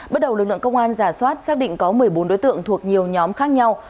bước đầu lực lượng công an giả soát xác định có một mươi bốn đối tượng thuộc nhiều nhóm khác nhau